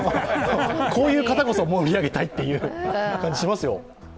こういう方こそ盛り上げたいという感じがしますよ。